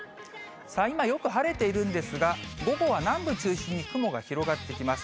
今よく晴れているんですが、午後は南部中心に雲が広がってきます。